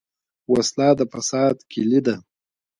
وسله د فساد کلي ده